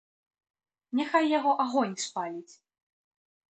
Няхай яго агонь спаліць.